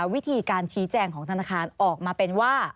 วิธีการชี้แจงของธนาคารออกมาเป็นว่า